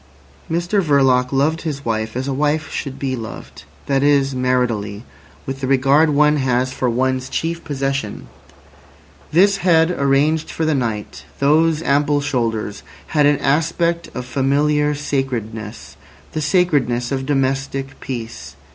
Mr Verloc loved his wife as a wife should be loved—that is, maritally, with the regard one has for one's chief possession. This head arranged for the night, those ample shoulders, had an aspect of familiar sacredness—the sacredness of domestic peace.